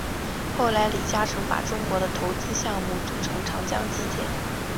后来李嘉诚把中国的投资项目组成长江基建。